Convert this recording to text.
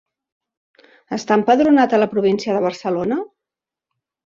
Està empadronat a la província de Barcelona?